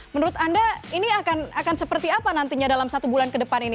menurut anda ini akan seperti apa nantinya dalam satu bulan ke depan ini